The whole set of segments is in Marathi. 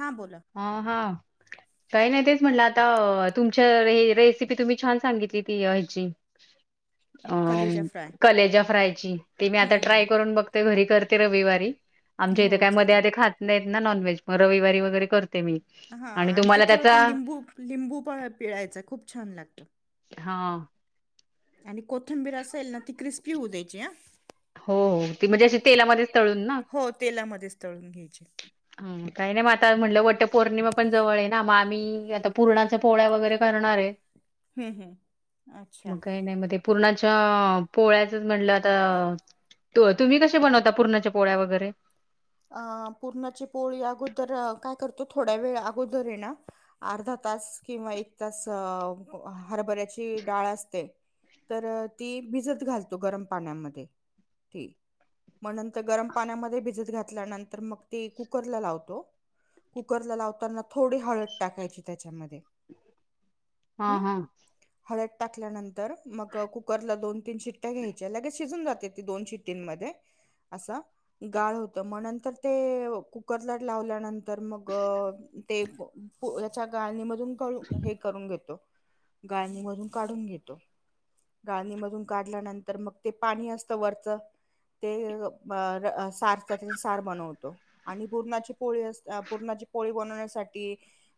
हां, बोला. हा हा. काही नाही तेच म्हटलं आता, तुमच्या आ हे रेसिपी तुम्ही छान सांगितली ती हेचि अ कलेजा म फ्राय. कलेजा फ्रायची, ते मी आता हं, ट्राय हं. करून बघते, घरी कर. ते रविवारी. आमच्या इथे हो, काय मधे चालेल. अधे खात नाहित ना नॉनव्हेज, मग रविवारी वगेरे हा आणि त्याच्यावरती लिंबू लिंबू प पिळायचा खूप छान लागत. हा आणि कोथंबीर असेल ना, ती क्रिस्पी होऊ द्यायची ह. हो हो ती म्हणजे अशी तेलामध्येच तळून ना? हो, तेलामध्येच तळून घ्यायची. ह काही नाही मग आता म्हटलं, वट पौर्णिमा पण जवळ हाय ना? मग आम्ही आता पूर्णाचा पोळ्या वगैरे कर णार आहे [unintelligible] हम्म, हम्म, अच्छा. पूर्णाच्या पोळ्याचच म्हटलं आता तुम्ही कसे बनवता पूर्णाच्या पोळ्या वगैरे? अ पूर्णाची पोळी अगोदर काय करतो, थोड्या वेळ अगोदर ये ना, अर्धा तास, किंवा एक तास, हरभऱ्याची डाळ असते. तर ती भिजत घालतो गरम पाण्यामध्ये. मग नंतर गरम पाण्यामध्ये भिजत घातल्या नंतर मग ते कुकरला लावतो. कुकरला लावताना थोडी हळद टाकायची त्याच्यामध्ये. हा. हं हा. हळद टाकल्यानंतर मग कुकरला दोन-तीन शिट्या घ्यायच्या, लगेच शिजून जाते ती दोन शिट्टींमध्ये. गाळ [unintelligible] मगंतर ते कुकरलाट लावल्यानंतर मग ते याच्या गाळणी मधू न हे करून घेतो, गाळणी मधून काढून घेतो. गाळणी मधून काढल्यानंतर मग ते, पाणी असतं वरच. ते अ सारथ सार बनवतो, आणि परणाची पोळीणाची पोळी बनण्यासाठी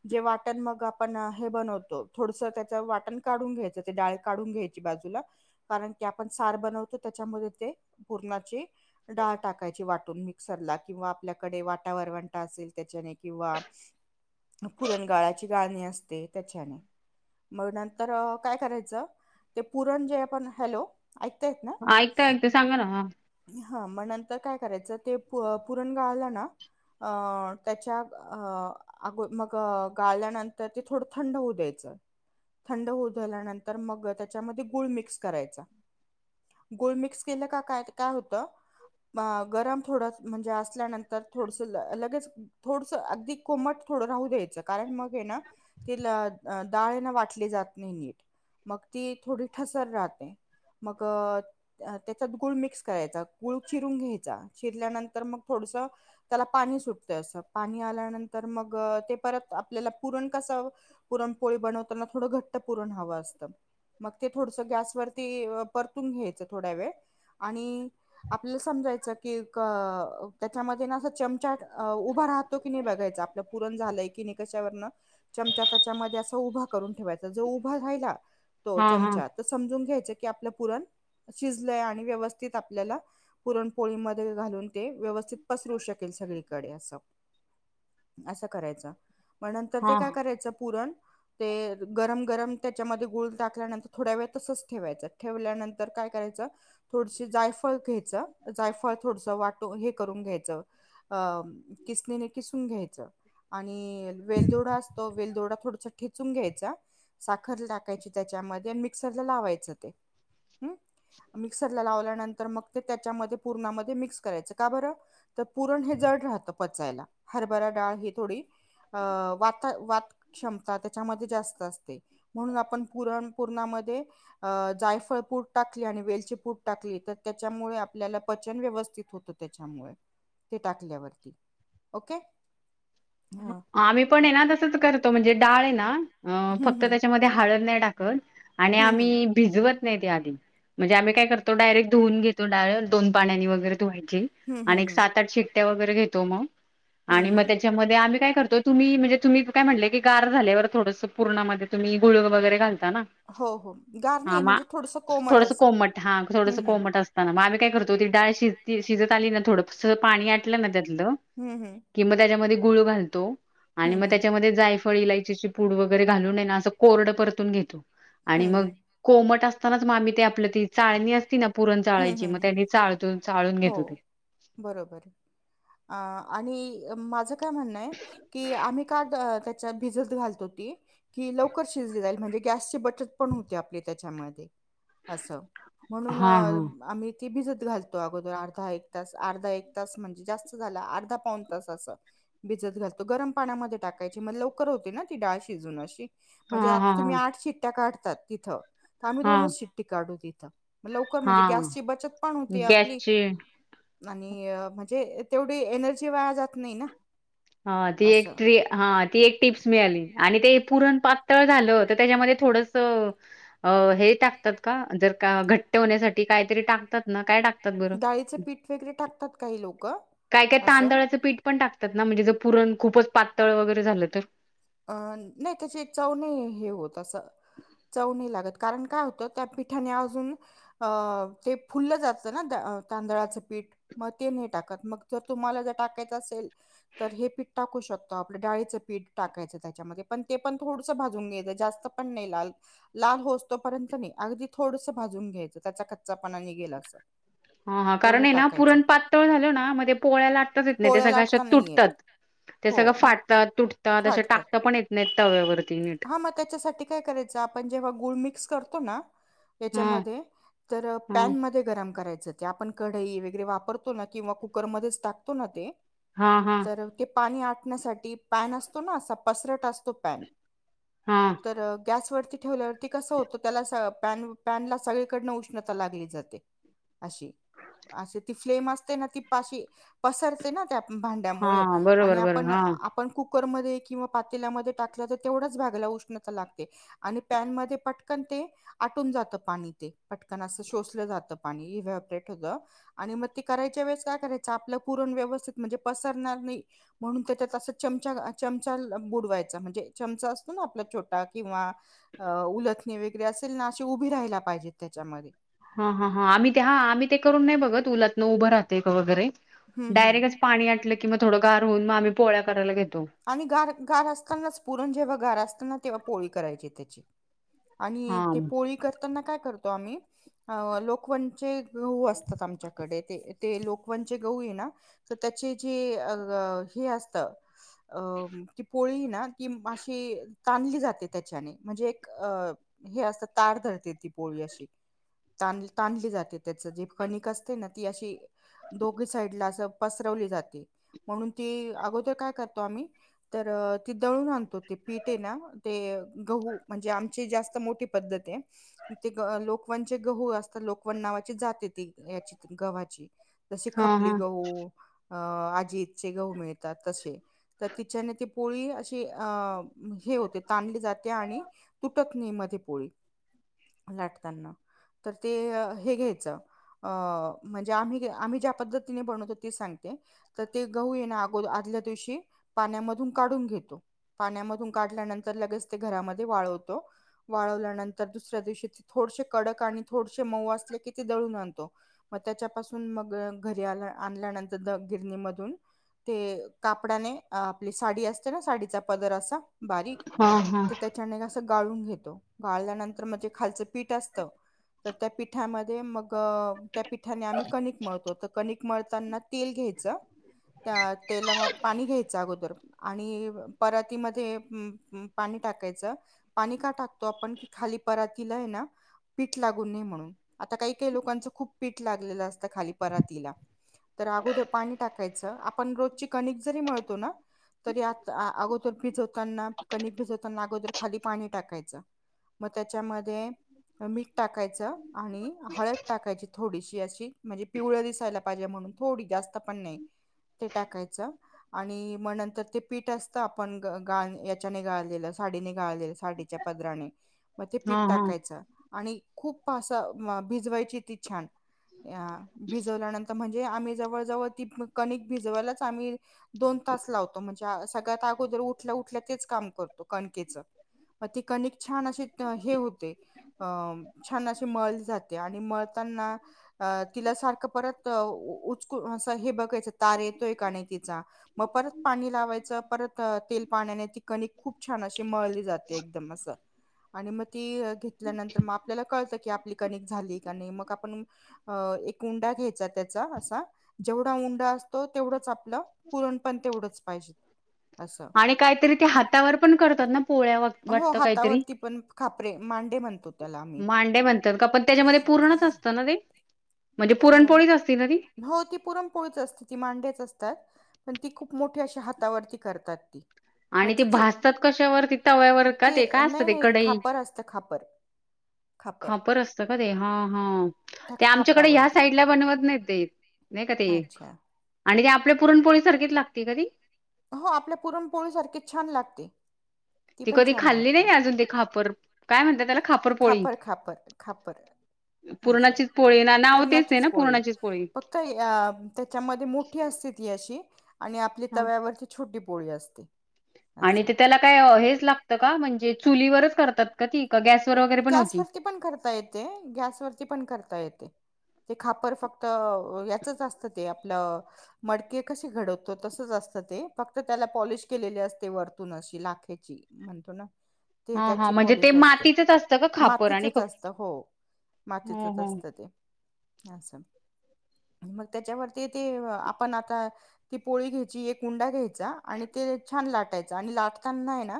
जेव्हा. वाटण मग आपण हे बनवतो. थोडसं त्याचं वाटण काढून घ्यायचं ते डाळ काढून घ्यायची बाजूला. कारण की आपण सार बनवतो. त्याच्यामध्ये ते पूर्णाची डाळ टाकायची वाट मिक्सरला किंवा आपल्याकडे वाटा-वरवंटा असेल त्याच्याने किंवा पुरणगाळाची गाणी असते त्याच्याने. मग नंतर काय करायचं ते पुरण जे ण हलो ऐकय ना ऐकता ऐकता सांगा ना हा मग नंतर काय करायचं ते पुरण गाळलं ना अ त्याच्या अग मग गाळल्यानंतर ते थोडं थंड होऊ द्यायच थंड होतल्यानंतर मग त्याच्यामध्ये गुळ मिक्स करायचा गोल मिक्स केलं का काय काय होतं गरम थोड म्हणजे असल्यानंतर थोडस लगेच थोडसं अगदी कोमट थोडं राहू देत. कारण मग हे ना डाळ वाटल्ली जात नाही न. मग ती थोडी ठसर राहते मग त्या गुळ मिक्स करायचा गूळ चिरून घ्यायचा. घेतल्यानतरं न म थोडस त्याला पाणी सुटत अस पाणी आल्यानंतर मग परत ते आपल्याला पुरण कसा पुरणपोळी बनवताना थोडं घट्ट पुरण हवं असतं मग ते थोडस गॅसवररती परतून घ्यायचं थोड्या वेळ आणि आपल्या समजा की त्यांच्या मध्ये ना चमचा उभ राहतो की नाही बघायच आपल पुरण झालंय की नाही कशावरन चमचा त्यांच्या मध्ये अस उभा करून ठेवायच जो उभा राहिला तो हा हा चमचा तर समजून घ्यायच आपल पुरण शिजलंय आणि व्यवस्थित आपल्याला पुरण पळी मध्ये घालून ते व्यवस्थित पसरू शकेल सगळीकडे असं. असं करायचं म नंतर ते काय हा. करायचं पुरण ते गरम गरम त्याच्यामध्ये गूळ टाक ल्यानंतर थोड वेळ तसच ठेवायच ठेवल्यानंतर काय करायच थोडशी जायफळ घ्यायचं जायफळ थोडस वाट हे करून घ्यायचं किसणी किसून घ्यायच आणि आणि वेलदोडा असतो वेलदोडा थोडसा ठेचून घ्यायचा साखर टाकायची त्याच्यामध्ये मिक्सरला लावायच ते मिक्सरला लावल्यानंतर मग ते त्याच्यामध्ये पुरणामध्ये मिक्स करायचं का बरं तर पुरण हे जड राहतं पचायला हरभरा डाळ ही थोडी अ वात वातक्षमता त्याच्यामध्ये जास्त असते म्हणून आपण पुरण जायफळ पूट टाकली आणि वेलची पूट टाकली तर त्याच्यामुळे आपल्या पचन व्यवस्थित होत त्याच्यामुळे ते टाकल्यावरती ओके. ह आम्ही पण आहे ना तसच करतो म्हणजे डाळ आहे ना अ हम्म फक्त हम्म त्याच्यामध्ये हाळद नाही टाकत आणि फक्त हम्म आणि हम्म आम्ही भिजवत नाही ते आधी म्हणजे आम्ही काय करतो डायरेट धुवून घेतो दोन पाण्यान वगैरे धुवायची. हं, हं, आणि हं. सात आठ्या वगैरे घेतो मग हं, आणि मग हं. त्याच्यामधध्ये काय करतो तुम्ही म्हणजे तुम्ही काय म्हटले की गार झाल्यावर थोडंसं पूर्णा मदे तुम्ही गुळ वगैरे घालता ना? हो हो गार घालता नाही ना म्हणजे हा थोडंसं कोमट थोडस असं कोमट हा हं हं. कोमट असताना आम्ही काय करत होती डाळ शिज शिजत आली ना थोडंस पाणी आटलं ना त्यातलं त्या हं, हं. की त्याच्यामध्ये गुळ घालतो आणि हं, हं. त्यांच्यामध्ये जायफळ, इलायची पुड वगैरे घालून हे ना कोरड परतून घेतो. हं, आणि हं. कोमट मग असता असतानाच मगआम्ही ते आपलं ती चाळणी अस ति ना पुरण हं, हं, चाळायची हं. मग त्यांनी चाळत चाळून घेतो ते. बरोबर. अ आणि माझं काय म्हणणय की आम्ही का त्याच्या भिजत घालतो ती कि लवकर शिजली जाईल म्हणजे गॅसची बचत पण होते आपले त्याच्यामध्ये. असं म्हणून हा तिथे भिजत घालतो अगोदर अर्धा एक तास अर्धा एक तास म्हणजे जास्त झाला अर्धा पाऊन तास असं भिजत घालतो गरम पाण्यामध्ये टाकायची मग लवकर होती ना ती डाळ शिजून अशी हा म्हणजे हा आता तुम्ही हा आठ शिट्या काढतात तिथं तर आम्ही हा हा दोनच शिट्टी काढू तिथं. लवकर म्हणजे हा गॅसची बचत पण होती आपली गॅसची आणि म्हणजे तेवढी एनर्जी वाया जात नाही ना. हा ती असं. एक ट्री हा ती एक टिप्स मिळाली आणि ते पुरण पातळ झालं तर त्याच्यामध्ये थोडस हे टाकतात का जर का घट्ट ठेवण्यासाठी काहीतरी टाकतात ना काय टाकत डाळीचे पीठ वगैरे टाकतात काही लोक काय काय तांदळाचं पीठ पण टाकतात ना म्हणजे जर पुरण खूपच पातळ वगैरे झालं तर अ नाही त्याची चव नी हे होत अस चव नाही लागत. कारण काय होत त्या पिठाने अजून ते फुललं जातं ना तांदळाचं पीठ. म टाकत मग तुम्हाला जर टाकायच असेल तर हे पीठ टाकू शकतो आपल्या. पीठ. टाकायच त्याच्यामध्ये पण ते पण थोडसं भाजून घ्यायचं जास्त पण नाही लाल लाल हो अस तोपर्यंत नाही. अगदी थोडस भाजून घ्यायचं. हा हा कारण तेवढं आहे ना टाकायचं पुरण पातळ झालं ना मध्ये पोळ्या लाटतच येत नाही ते पोळ्या सगळ्या अश लाटता नाही तुटतात. येत ते हो सगळं न- फाटतात तुटतात असं फाटतात टाकता पण येत नाहीत तव्यावर. हा मग त्याच्यासाठी काय करायचं आपण जेव्हा गुळ मिक्स करतो ना? हा याच्यामध्ये तर हा पॅन म गरम करायच. ते आपण कढाई वगैरे वापरतो ना किंवा कुकरमध्येध्येच टातो ना ते. हा हा तर ते पाणी आटण्यासाठी पॅन असतो ना असा पसरत असतो पॅन. हा तर गॅसवरती ठेवल्यावरती कस होतं त्याला. पॅन ला सगळीकडन उष्णता लागली जाते. अशी, असशी ती फ्लेम असते ना ती पाशी पसरते ना त्या. भांड्यामुळे हा आणि बरोबर बरोबर आपण हा आपण कुकरमध्ये किंवा पातेल्यामध्ये टाकलं. तेवढचगायला उष्णा लागते आणि पॅन म पटकन ते आटून जात पाणी ते. पटकन असे शोशल जातं. व्हायब्रेट होतं, आणि मग ते करायचे वेळेस काय करायचं आपलं व्यवस्थित म्हणजे पसरणार नाही म्हणून त्याच्यात अस च चचा बुडवायचा म्हणजे चमचा असतो ना आपला छोटा किंवा अ उलथणी वगैरे असेल ना अशी उभी राहायला पाहिजेत त्याच्यामध्ये. ह, हा, हा आम्ही ते हा आम्ही ते करून नाही बघत उलात न उभं राहते का वगैरे. हम्म हम्म डायरेक्टच पाणीटलं किं थोडं गारहन मगम्ही पोळ्यारायला घेतो. आणि गार गार असतानाच पुरण जेव्हा गार असताना तेव्हा पोळी करायची त्याची. आणि हा ते पोळी करताना काय करतो आम्ही अ लोकवणचे. गऊ असतात आमच्याकडे ते. ते लोकवनचे गऊ आहे ना तर त्याचे जे हे असत. अ ती पोळी ना कि अशी तानली जाते त्याच्याने म्हणजे एक अ हे असतं तार धरते ती पोळी अशी. तानली जाते त्या जे कणिक असते ना ती अशी दोघी साईडला. म्हणून ती अगोदर काय करता तर त दळून आणतो ते पीठे ना ते गहू म्हणजे आमचें. मो पद्त लोकचे गहू अस लोकवण नावाची जाते ती याची गव्हाची जशी हा खपली हा गहू. अ आजीतचे गहू मिळतात तसे. तर तिच्याने ती पोळी अशी अ हे होते ताणली जाते आणि तुटकणी म पोळी लाटताना तर ते हे घ्यायचं. अ म्हणजे आम्ही आम्ही ज्या पद्धतीने बनवतो ते सांगते तर ते गहू येगो ल्या दिवशी पाण्यामधून काढून घेतो. पाण्यामधून काढल्यानंतर लगेच ते घरामध्ये वाळवतो वाळवल्यानंतर दुसऱ्या दिवशी ते थोड कडक आणि थोडंसं मऊ अस असलं का ते दळून आणतो मग त्याून म घरी आणल्यानंतर द गिरणी मधून ते कापडाने. आपली साडी असते ना साडीचा पदर असा बारीक हा हा तर त्याच्याने. गाळून घेतो गाळल्यानंतर म्हणे खालचं पीठ असत तर त्या पीठामध्ये मग. त्या पिठाने आम्ही कणिकळतो तर क- मळताना तेल घ्यायचं त्या तेला म पाणी घ्यायचं. अगोदर आणि पराती मध्ये पाणी टाकायच. पाणी का टाकतो, आपण खाली परातिला आहे ना. पीठ लागून नाही म्हणून. आता काही काही लोकांच खूप पीठ लागलेलं असतं खाली परातीला. तर अगोदर पाणी टाकायचं, आपण रोजची कणिक जरी मिळतो ना? तरी आता अगोदर भिजवताना कणिक भिजवताना अगोदर खाली पाणी टाकायचं. मग त्याच्यामध्ये. मीठ टाकायचं, आणि हळद टाकायची थोडीशी अशी, म्हणजे पिवळ दिसायला पाहिजे म्हणून. थोडि जास्त पण नाही, ते टाकायचं आणि मग नंतर ते पीठ असतं, आपण गाळ याच्याने गाळलेलं साडीने गाळलेले साडीच्या पदराने, मग ते पीठ हा हा टाकायचं आणि खूप आस भिजवायची ती छान, भिजवल्यानंतर म्हणजे आम्ही जवळ जवळ हो ती कणिक भिजवायलाच आम्ही दोन तास लावतो. म्हणजे सगळ्यात अगोदर उठल्या-उठल्या तेच काम करतो कणकेच. मग ते कणिक छान अशी हे होते. छान अशी मळलि जाते. आणि म मळताना तिला सारखं परत उचलून अस हे बघायचं तारे येतोय का नाही कणकीचा. मग परत पाणी लावायचं, परत तेल पाण्याने ती कणिक खूप छान अशी मळली जाते, एकदम असं आणि मग ती घेतल्यानंतर मग आपल्याला कळत की, आपली कणिक झाली का नाही मग आपण एक उंडा घ्यायचा त्याचा असा, जेवढा उंडा असतो तेवढंच आपलं पुरण पण तेवढंच पाहिजेत. आणि काहीतरी ते हातावर पण करतात ना, पोळ्या हो वाटत वगैरे, काहीतरी? हातावरती पण खापरे मांडे म्हणतो त्याला आम्ही. मांडे म्हणतात का? पण त्याच्यामध्ये पूरणच असतं ना ते? म्हणजे पुरणपोळीच असती ना ती हो ती पुरण पोळीच असते, ती मांड्याच असतात. पण ती खूप मोठी, अशा हातावरती करतात ती. मग आणि ते तिची भाजतात कशावरती? तव्यावर का ते काय असतं नाही ते नाही कढई खापर असतं खापर. खापर असतं का ते? हा, हा त्या ते आमच्याकडे ह्याच खापरावरती साईड या ला बनवत नाहीत ते, नाही का ते आणि ते आपल्या पुरणपोळी सारखीच लागते का ती? हो आपल्या पुरणपोळी सारखी छान लागते. ती पण कधी छान खाल्ली लागते. नाही तुम्ही अजून ते खाल्लेली खापर का काय म्हणतात त्याला ती? खापरपोळी खापर काय म्हणतात? खापर-खापर असं पुरणाचीच पोळी ना नाव तेच नाही पूरणाचीच ना पोळी, पुरणाचीच फक्त त्याच्यामध्ये मोठी अस ते ती अशी, आणि आपली हा तव्यावरती छोटी पोळी असते. आणि ते त्याला काय हेच लागतं का म्हणजे चुलीवरच करतात का ती का गॅसवर वगैरे पण गॅस होती? वरती पण करता येते. गॅस वरती पण करता येते. ते खापर फक्त याचंच असतं ते, आपलं मडके कसे घडवतो तसच असतं. ते फक्त त्याला पॉलिश केलेली असते, वरतून अशी, लाखेची म्हणतो ना हा हा म्हणजे ते माती मातीतच असत हो, हो मातीतच हो असत ते. हे अस मग त्याच्यावरती ते आपण आता, ती पोळी घ्यायची एक उंडा घ्यायचा आणि ते छान लाटायचं, आणि लाटताना ना,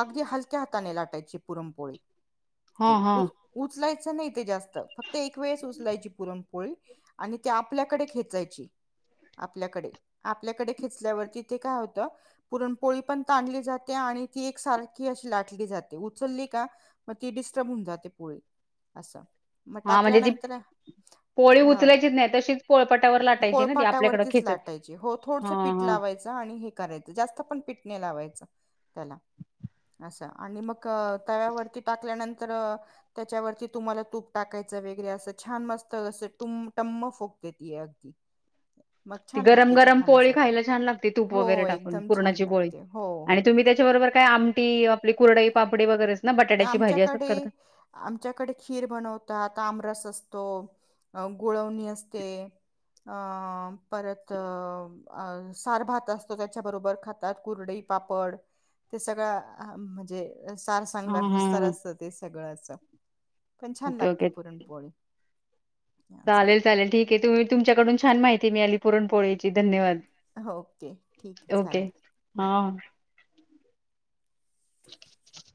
अगदी हलक्या हाताने लाटायची पुरमपोळी, हा ते हा उचलायचं नाही ते जास्त, फक्त एक वेळेस उचलायची पुरण पोळी आणि ते आपल्याकडे खेचायची आपल्याकडे, आपल्याकडे खेचल्यावरती ते काय होतं पुरणपोळी पण ताणली जाते आणि ती एक सारखी अशी लाटली जाते, उचलली का मग ती डिस्टर्ब होऊन जाते पोळी असं, मग हा म्हणजे ती टाकल्यानंतर पोळी उचलायचीच नाही तशीच पोळपाटावर लाटायची ना ती आपल्याकडं पोळपाटावरती खेचत लाटायची हो हा थोडसं पीठ ला हा लावायच आणि हे करायचं जास्त पण पीठ तेल लावायचं त्याला असं, आणि मग तव्यावरती टाकल्यानंतर, त्याच्यावर तुम्हाला तूप टाकायच वेगरे अस छान मस्त असं टम्म फुगते ती अगदी मग [inaudible] ती छान गरम लागते गरम पोळी खाण्यासाठी खायला छान लागते तूप हो वगैरे टाकून एकदम छान पुरणाची पोळी, लागते हो हो आणि तुम्ही त्याच्यावर बरोबर काय आमटी आपली कुरडई पापडी वगैरेच ना? बटाट्या आमच्याकडे आमच्याकडे खीर बनवतात आमर रस असतो अ गुळवणी असते अं परत अं आ सार भात असतो त्याच्याबरोबर खातात कुरडई पापड ते सगळं आं म्हजे सार हा [unintelligible] हा असतं ते सगळंच. पण छान ओके लागते ओके पुरणपोळी. असं. चालेल चालेल ठीक आहे तुमी तुमच्याकडून छान माहिती मिळाली पुरण पोळीची धन्यवाद. ओके ठीक आहे ओके चालेल. हा [inaudible]